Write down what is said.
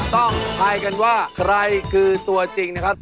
ทายกันว่าใครคือตัวจริงนะครับ